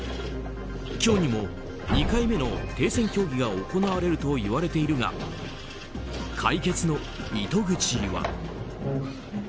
今日にも２回目の停戦協議が行われるといわれているが解決の糸口は。